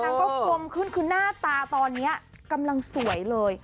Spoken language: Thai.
ต้านังความขึ้นน่าตาตอนนี้กำลังสวยเลย